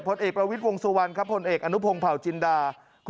ผลเอกประวิทย์วงสุวรรณครับผลเอกอนุพงศ์เผาจินดา